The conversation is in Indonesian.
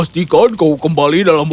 baik tapi pastikan kau kembali dalam rumah